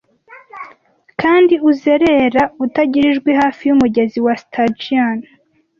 Kandi uzerera utagira ijwi hafi yumugezi wa Stygian ,-